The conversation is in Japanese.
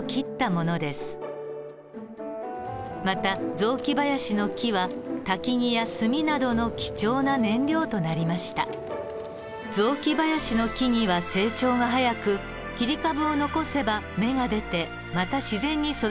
雑木林の木々は成長が早く切り株を残せば芽が出てまた自然に育っていきます。